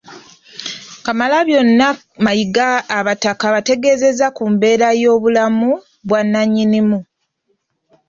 Kamalabyonna Mayiga abataka abategeezezza ku mbeera y'obulamu bwa Nnyinimu